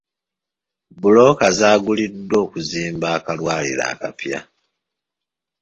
Bbulooka zaaguliddwa okuzimba akalwaliro akapya.